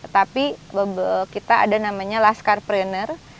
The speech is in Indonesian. tapi kita ada namanya laskar planner